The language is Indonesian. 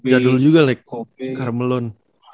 jadul juga lek carmelon